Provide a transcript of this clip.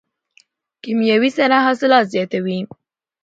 کیمیاوي سره حاصلات زیاتوي.